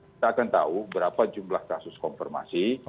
kita akan tahu berapa jumlah kasus konfirmasi